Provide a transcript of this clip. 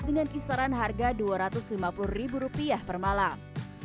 dengan kisaran harga rp dua ratus lima puluh ribu rupiah per malam